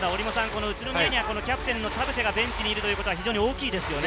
宇都宮にはキャプテンの田臥がベンチにいるのは非常に大きいですよね。